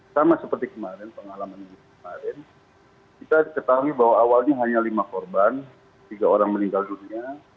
sama seperti kemarin pengalaman minggu kemarin kita ketahui bahwa awalnya hanya lima korban tiga orang meninggal dunia